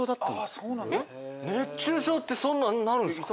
熱中症そんなんなるんですか？